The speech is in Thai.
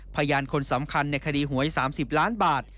พยานคนสำคัญในคดีหวย๓๐ล้านบาท